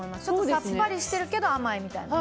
さっぱりしてるけど甘いみたいな。